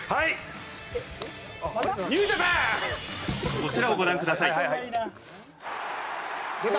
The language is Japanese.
「こちらをご覧ください」出た！